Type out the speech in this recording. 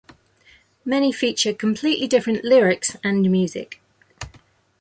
Many feature completely different lyrics, and music.